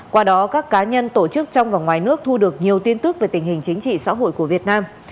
qua đó các cá nhân tổ chức trong và ngoài nước thu được nhiều tin tức về tình hình chính trị xã hội của việt nam